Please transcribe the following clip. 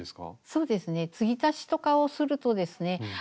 そうですね継ぎ足しとかをするとですね